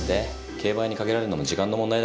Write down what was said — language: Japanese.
競売にかけられるのも時間の問題だ。